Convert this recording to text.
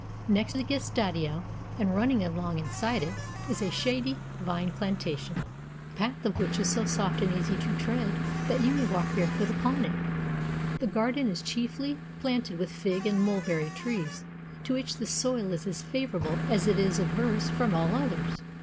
Next the gestatio, and running along inside it, is a shady vine plantation, the path of which is so soft and easy to the tread that you may walk barefoot upon it. The garden is chiefly planted with fig and mulberry trees, to which this soil is as favorable as it is averse from all others.